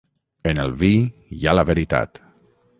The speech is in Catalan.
En el vi hi ha la veritat.